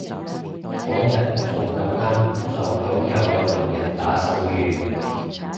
嗰日仲咁啱撞到有個聾人打手語